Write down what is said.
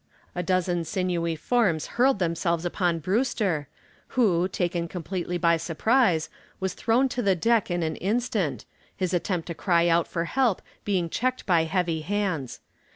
A dozen sinewy forms hurled themselves upon Brewster, who, taken completely by surprise, was thrown to the deck in an instant, his attempt to cry out for help being checked by heavy hands.